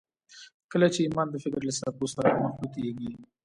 کله چې ايمان د فکر له څپو سره مخلوطېږي.